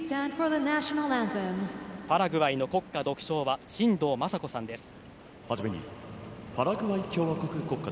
パラグアイの国歌独唱は新藤昌子さんです。